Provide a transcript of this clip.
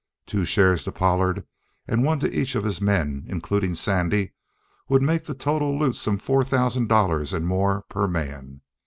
Two shares to Pollard and one to each of his men, including Sandy, would make the total loot some four thousand dollars and more per man.